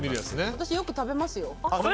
私、よく食べますよ。